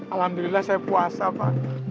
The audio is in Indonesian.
alhamdulillah saya puasa pak